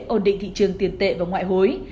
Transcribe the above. ổn định thị trường tiền tệ và ngoại hối